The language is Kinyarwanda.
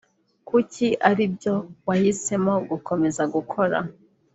Kuki aribyo wahisemo gukomeza gukora